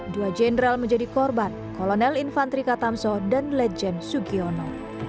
dua jenderal menjadi korban kolonel infantri katamso dan lejen sugiono